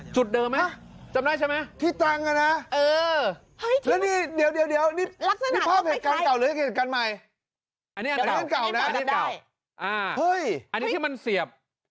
จุดเดิมเนี่ย